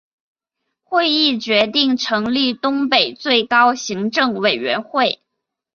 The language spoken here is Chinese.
会议决定成立东北最高行政委员会。